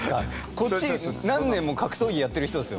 こっち何年も格闘技やってる人ですよ。